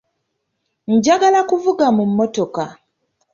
Njagala kuvuga mu mmotoka.